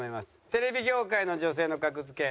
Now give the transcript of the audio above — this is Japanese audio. テレビ業界の女性の格付け